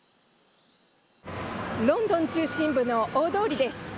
ロンドン中心部の大通りです。